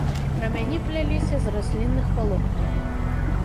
Рамяні пляліся з раслінных валокнаў.